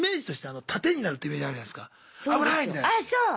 あっそう！